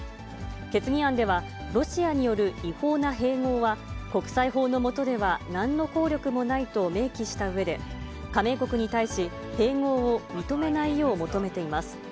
決議案では、ロシアによる違法な併合は、国際法の下では、なんの効力もないと明記したうえで、加盟国に対し、併合を認めないよう求めています。